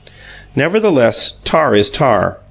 Nevertheless, tar is tar.